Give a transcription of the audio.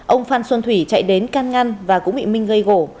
ông phan xuân thủy chạy đến can ngăn và cũng bị minh gây gỗ